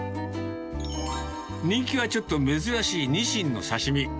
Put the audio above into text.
人気はちょっと珍しいニシンの刺身。